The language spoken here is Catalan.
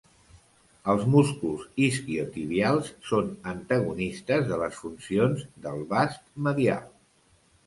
Els músculs isquiotibials són antagonistes de les funcions del vast medial.